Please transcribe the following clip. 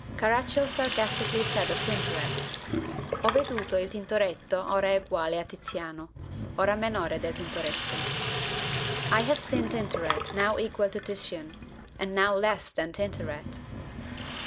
Carraccio sarcastically said of Tintoret Ho veduto il Tintoretto hora eguale a Titiano, hora minore del Tintoretto "I have seen Tintoret now equal to Titian, and now less than Tintoret."